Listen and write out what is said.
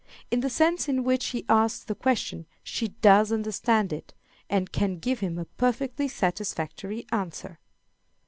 In the sense in which he asks the question she does understand it, and can give him a perfectly satisfactory answer.